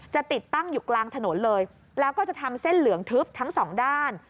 ติดตั้งอยู่กลางถนนเลยแล้วก็จะทำเส้นเหลืองทึบทั้งสองด้าน